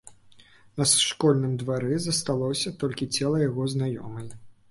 На школьным двары засталося толькі цела яго знаёмай.